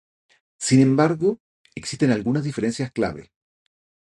Sin embargo, existen algunas diferencias clave.